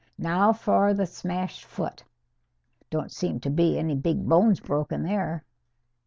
Now for the smashed foot. Don't seem to be any big bones broke there."